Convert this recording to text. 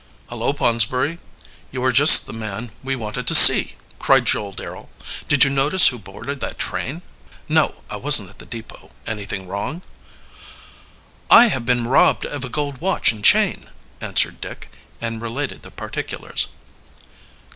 "Hullo, Ponsberry, you are just the man we want to see!" cried Joel Darrel. "Did you notice who boarded that train?" "No; I wasn't at the depot. Anything wrong?" "I have been robbed of a gold watch and chain," answered Dick, and related the particulars.